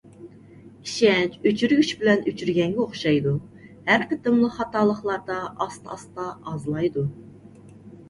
ئىشەنچ ئۆچۈرگۈچ بىلەن ئۆچۈرگەنگە ئوخشايدۇ، ھەر قېتىملىق خاتالىقلاردا ئاستا-ئاستا ئازلايدۇ.